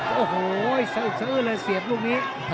โอ้โหเสืบเลยเสียบลูกนี้